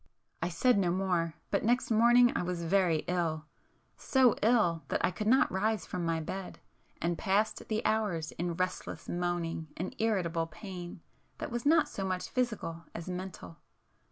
I said no more,—but next morning I was very ill,—so ill that I could not rise from my bed, and passed the hours in restless moaning and irritable pain that was not so much physical as mental.